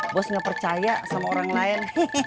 bos nggak percaya sama orang lain